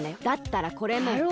だったらこれも。